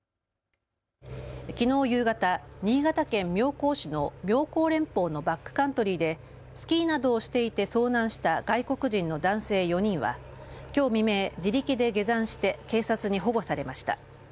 きのう夕方、新潟県妙高市の妙高連峰のバックカントリーでスキーなどをしていて遭難した外国人の男性４人はきょう未明、自力で下山して警察に保護されました。